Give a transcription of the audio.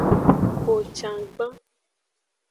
Kocangban.